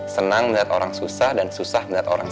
senang melihat orang susah dan susah